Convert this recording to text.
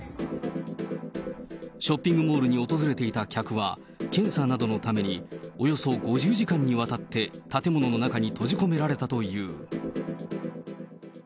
ショッピングモールに訪れていた客は、検査などのために、およそ５０時間にわたって建物の中に閉じ込められたという。